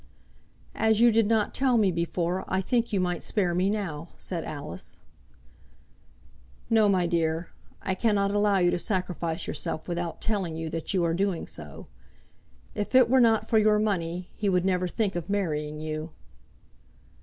"As you did not tell me before, I think you might spare me now," said Alice. "No, my dear; I cannot allow you to sacrifice yourself without telling you that you are doing so. If it were not for your money he would never think of marrying you."